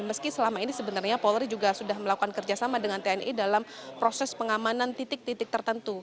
meski selama ini sebenarnya polri juga sudah melakukan kerjasama dengan tni dalam proses pengamanan titik titik tertentu